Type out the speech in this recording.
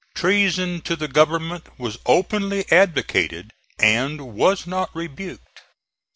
Treason to the Government was openly advocated and was not rebuked.